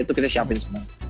itu kita siapin semua